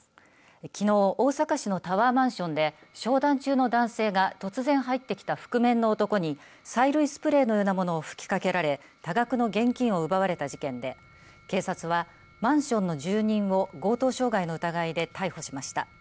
きのう大阪市のタワーマンションで商談中の男性が突然入ってきた覆面の男に催涙スプレーのようなものを吹きかけられ多額の現金を奪われた事件で警察はマンションの住人を強盗傷害の疑いで逮捕しました。